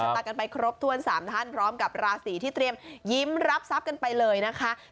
ตากันไปครบถ้วน๓ท่านพร้อมกับราศีที่เตรียมยิ้มรับทรัพย์กันไปเลยนะคะ